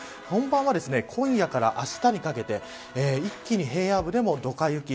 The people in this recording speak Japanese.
本番は今夜から、あしたにかけて一気に平野部でもドカ雪。